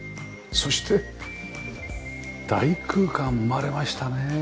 そして大空間生まれましたねえ。